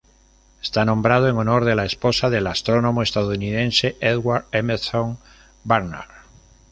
Está nombrado en honor de la esposa del astrónomo estadounidense Edward Emerson Barnard.